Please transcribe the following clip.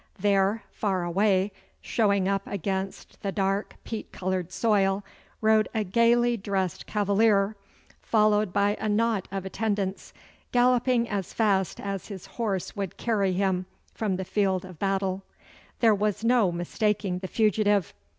There, far away, showing up against the dark peat coloured soil, rode a gaily dressed cavalier, followed by a knot of attendants, galloping as fast as his horse would carry him from the field of battle. There was no mistaking the fugitive.